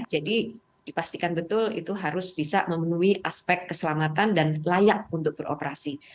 jadi dipastikan betul itu harus bisa memenuhi aspek keselamatan dan layak untuk beroperasi